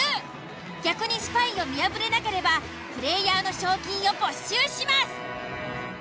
逆にスパイを見破れなければプレイヤーの賞金を没収します。